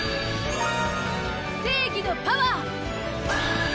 正義のパワー！